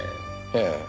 ええ。